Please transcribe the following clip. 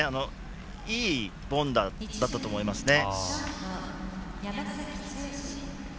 いい凡打だったと思いますね。